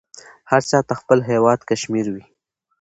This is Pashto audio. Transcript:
هر چاته خپل هیواد کشمیر وې.